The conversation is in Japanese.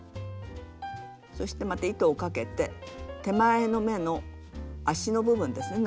そしてまた糸をかけて手前の目の足の部分ですね